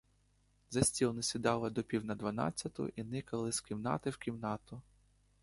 За стіл не сідали до пів на дванадцяту й никали з кімнати в кімнату.